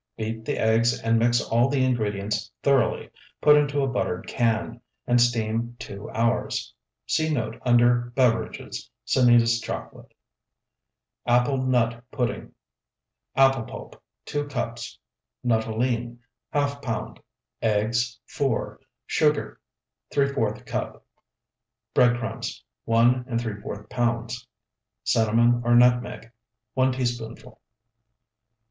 Beat the eggs and mix all the ingredients thoroughly. Put into a buttered can, and steam two hours. See note under "Beverages, Sanitas Chocolate." APPLE NUT PUDDING Apple pulp, 2 cups. Nuttolene, ½ pound. Eggs, 4. Sugar, ¾ cup. Bread crumbs, 1¾ pounds. Cinnamon or nutmeg, 1 teaspoonful.